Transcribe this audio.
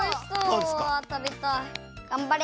がんばれ！